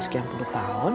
sekian puluh tahun